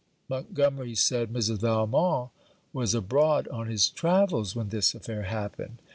Montgomery, said Mrs. Valmont, was abroad on his travels when this affair happened.